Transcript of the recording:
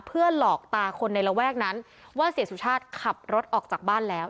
เพื่อหลอกตาคนในระแวกนั้นว่าเสียสุชาติขับรถออกจากบ้านแล้ว